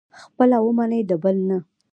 خپله ومني، د بل نه.